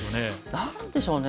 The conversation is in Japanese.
何でしょうね。